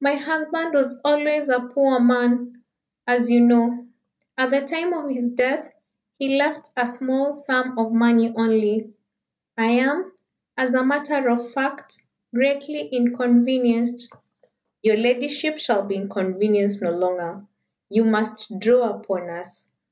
My husband was always a poor man, as you know. At the time of his death he left a small sum of money only. I am, as a matter of fact, greatly inconvenienced." "Your ladyship shall be inconvenienced no longer. You must draw upon us.